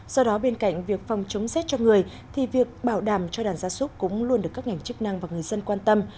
do đó bên cạnh việc phòng chống rét cho người thì việc bảo đảm cho đàn gia súc cũng luôn được các ngành chức năng và người dân quan tâm